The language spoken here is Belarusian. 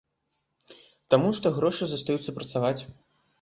Таму што грошы застаюцца працаваць.